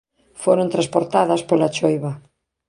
Foron transportadas pola choiva.